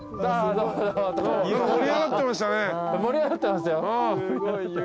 盛り上がってましたね。